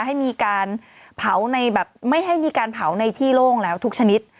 ให้มีการเผาในแบบไม่ให้มีการเผาในที่โล่งแล้วทุกชนิด